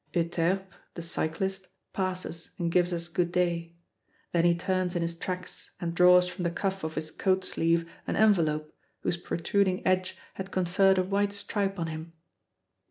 Euterpe, the cyclist, passes and gives us good day. Then he turns in his tracks and draws from the cuff of his coat sleeve an envelope, whose protruding edge had conferred a white stripe on him.